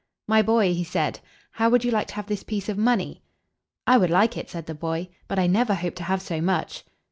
"My boy," he said, "how would you like to have this piece of money?" "I would like it," said the boy; "but I never hope to have so much."